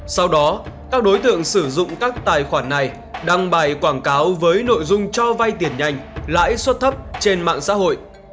sau đó các đối tượng sử dụng các tài khoản này đăng bài quảng cáo với nội dung cho vay tiền nhanh lãi suất thấp trên mạng xã hội